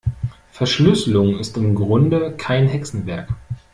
Verschlüsselung ist im Grunde kein Hexenwerk.